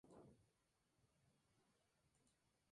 El parque es el único hogar en Canadá para el oso glaciar.